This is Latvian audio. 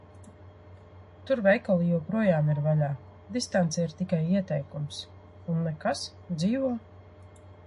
Tur veikali joprojām ir vaļā, distance ir tikai ieteikums, un nekas – dzīvo.